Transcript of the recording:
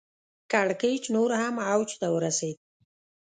کړکېچ نور هم اوج ته ورسېد.